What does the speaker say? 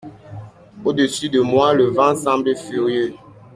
Au-dessus de moi, le vent semble furieux.